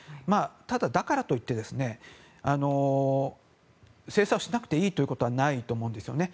ただ、だからといって制裁をしなくていいということはないと思うんですよね。